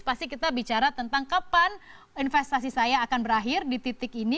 pasti kita bicara tentang kapan investasi saya akan berakhir di titik ini